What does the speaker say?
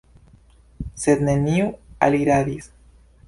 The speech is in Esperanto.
Sed neniu aliradis.